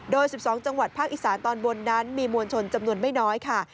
โดย๑๒จังหวัดภาคอีสานตอนบนนั้นมีมวลชนจำนวนไม่น้อยค่ะ